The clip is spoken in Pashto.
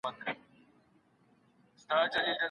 که اړتیا وي، بڼوال به په اوږه باندي ګڼ توکي راوړي.